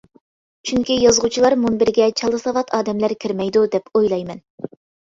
چۈنكى، يازغۇچىلار مۇنبىرىگە چالا ساۋات ئادەملەر كىرمەيدۇ دەپ ئويلايمەن.